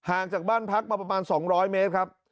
จากบ้านพักมาประมาณ๒๐๐เมตรครับ